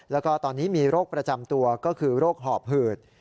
แล้วก็ตอนนี้มีโรคประจำตัวก็คือโรคหอบหืด